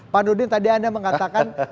pak nurdin tadi anda mengatakan